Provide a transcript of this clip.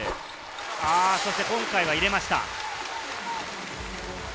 そして今回は入れました。